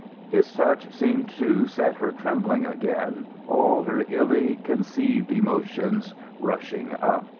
His touch seemed to set her trembling again, all her illy concealed emotions rushing up.